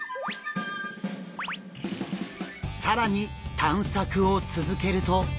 更に探索を続けると。